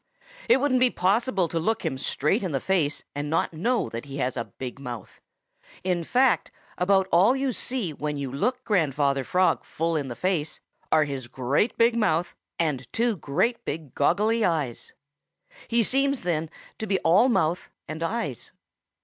It wouldn't be possible to look him straight in the face and not know that he has a big mouth. In fact, about all you see when you look Grandfather Frog full in the face are his great big mouth and two great big goggly eyes. He seems then to be all mouth and eyes.